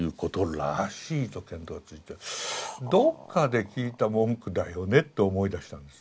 どっかで聞いた文句だよねって思い出したんです。